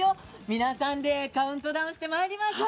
皆さんでカウントダウンしてまいりましょう。